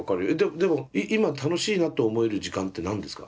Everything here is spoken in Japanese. でも今楽しいなと思える時間って何ですか？